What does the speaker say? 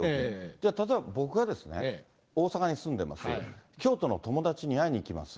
じゃあ例えば僕がですね、大阪に住んでます、京都の友達に会いにいきます。